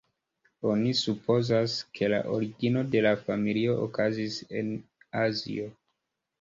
Oni supozas, ke la origino de la familio okazis en Azio.